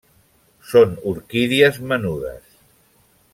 Són orquídies menudes.